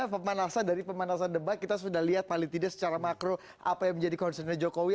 pemanasan dari pemanasan debat kita sudah lihat paling tidak secara makro apa yang menjadi concernnya jokowi